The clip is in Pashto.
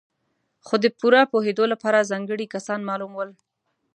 خو د پوره پوهېدو لپاره ځانګړي کسان معلوم وي.